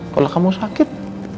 kalau kamu sakit